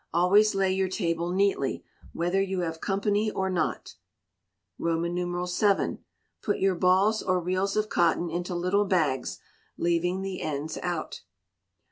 Always lay your table neatly, whether you have company or not. vii. Put your balls or reels of cotton into little bags, leaving the ends out.